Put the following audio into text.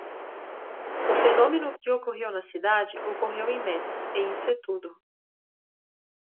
O fenômeno que ocorreu na cidade ocorreu em Metz, e isso é tudo.